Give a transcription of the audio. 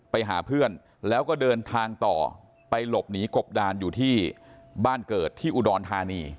ไปหาเพื่อนแล้วก็เดินทางต่อไปหลบหนีกบดานอยู่ที่บ้านเกิดที่อุดรธานี